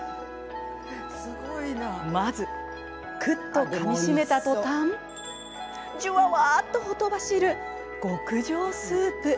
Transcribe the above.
まずくっとかみしめたとたんじゅわわっとほとばしる極上スープ。